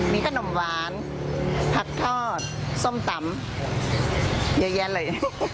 มีขนมหวานผักทอดส้มตำเยอะแยะเลย